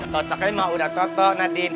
cocoknya mah udah cocok nadin